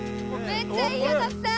めっちゃいいよ徳さん！